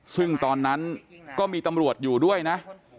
ซึ่งตอนนั้นก็มีตำรวจอยู่ด้วยนะ